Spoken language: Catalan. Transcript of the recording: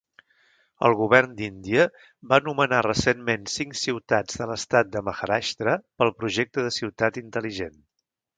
El govern d'Índia va anomenar recentment cinc ciutats de l'estat de Maharashtra pel projecte de ciutat intel·ligent.